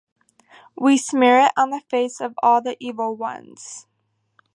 We smear it on the face of all the evil ones.